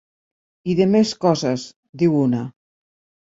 "I de més coses", diu una.